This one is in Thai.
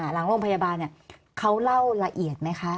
หลังโรงพยาบาลเขาเล่าละเอียดไหมคะ